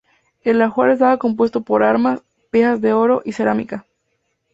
El ajuar estaba compuesto por armas, piezas de oro y cerámica.